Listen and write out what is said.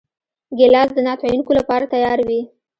ګیلاس د نعت ویونکو لپاره تیار وي.